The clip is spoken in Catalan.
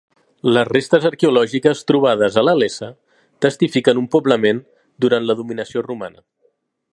Les restes arqueològiques trobades a la Iessa testifiquen un poblament durant la dominació romana.